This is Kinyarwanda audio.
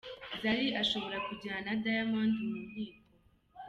Zari ashobora kujyana Diamond mu nkiko